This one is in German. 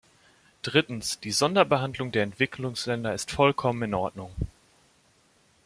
Drittens, die Sonderbehandlung der Entwicklungsländer ist vollkommen in Ordnung.